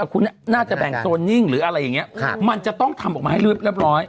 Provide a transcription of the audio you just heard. แต่คุณน่าจะแบ่งโซนนิ่งหรืออะไรอย่างนี้มันจะต้องทำออกมาให้เรียบร้อย